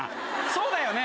そうだよね？